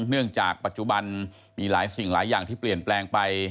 เนื่องจากปัจจุบันมีหลายสิ่งหลายอย่างที่เปลี่ยนแปลงไป